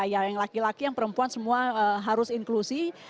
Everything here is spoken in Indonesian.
yang laki laki yang perempuan semua harus inklusi